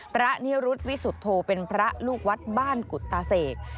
พระนิรุธวิสุทธโธเป็นพระลูกวัดบ้านกุตาเสก